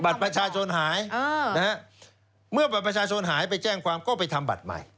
ประชาชนหายนะฮะเมื่อบัตรประชาชนหายไปแจ้งความก็ไปทำบัตรใหม่